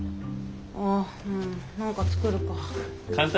あっ何か作るか。